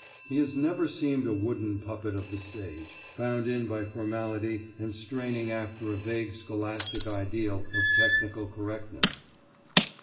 He has never seemed a wooden puppet of the stage, bound in by formality and straining after a vague scholastic ideal of technical correctness."